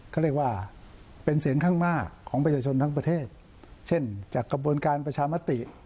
เขาเรียกว่าเป็นเสียงข้างมากของประชาชนทั้งประเทศเช่นจากกระบวนการประชามติ